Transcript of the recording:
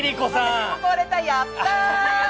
私も来れた、やった！